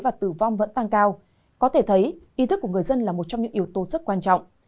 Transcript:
và tử vong vẫn tăng cao có thể thấy ý thức của người dân là một trong những yếu tố rất quan trọng